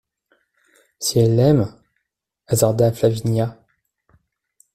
Si elle l'aime …» hasarda Flaviana.